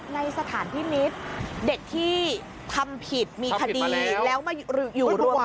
ในสถานพินิษฐ์เด็กที่ทำผิดมีคดีแล้วมาอยู่รวม